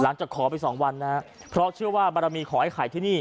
ขอไปสองวันนะฮะเพราะเชื่อว่าบารมีขอไอ้ไข่ที่นี่